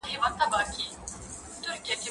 زه بايد وخت ونیسم،